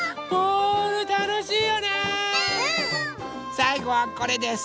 さいごはこれです。